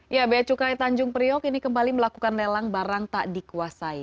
ya bea cukai tanjung priok ini kembali melakukan lelang barang tak dikuasai